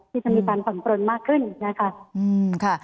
ที่จะมีการผ่อนปลนมากขึ้นนะคะ